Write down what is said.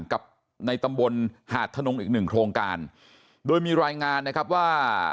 กับในตำบลหาดทนงอีกหนึ่งโครงการโดยมีรายงานนะครับว่า